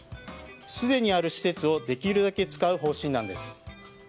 すでにある施設をできるだけ使う方針なんです。